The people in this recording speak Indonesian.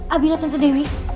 abi lihat tante dewi